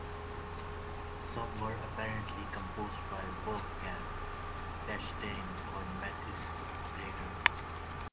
Some were apparently composed by Wolfgang Dachstein or Matthias Greiter.